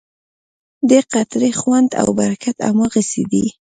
ددې قطرې خوند او برکت هماغسې دی.